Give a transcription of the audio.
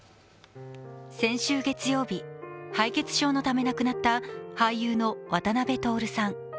先週月曜日敗血症のため亡くなった俳優の渡辺徹さん。